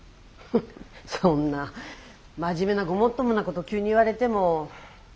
フッそんな真面目なごもっともなこと急に言われても。